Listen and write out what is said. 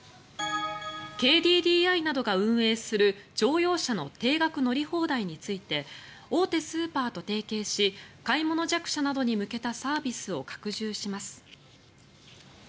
ＫＤＤＩなどが運営する乗用車の定額乗り放題について大手スーパーと提携し買い物弱者に向けたサービスを拡充します。